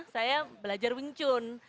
saya belajar wing chun